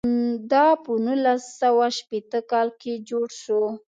دا په نولس سوه شپېته کال کې جوړ شو.